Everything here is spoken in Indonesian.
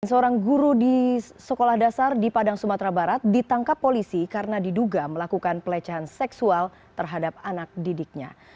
seorang guru di sekolah dasar di padang sumatera barat ditangkap polisi karena diduga melakukan pelecehan seksual terhadap anak didiknya